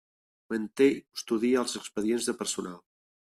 Manté i custodia els expedients de personal.